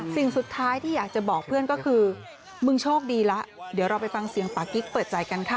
สิ่งสุดท้ายที่อยากจะบอกเพื่อนก็คือมึงโชคดีแล้วเดี๋ยวเราไปฟังเสียงปากิ๊กเปิดใจกันค่ะ